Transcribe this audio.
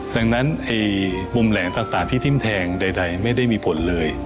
ดังนั้นมุมแหลงต่างที่ทิ้มแทงใดไม่ได้มีผลเลย